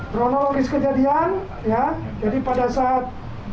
kronologis kejadian ya jadi pada saat